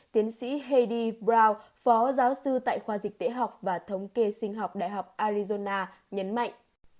tiến sĩ heidi brown phó giáo sư tại khoa dịch tế học và thống kê sinh học đại học arizona nhấn mạnh